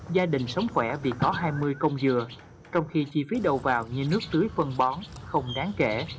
gia đình sống khỏe vì có hai mươi công dừa trong khi chi phí đầu vào như nước tưới phân bón không đáng kể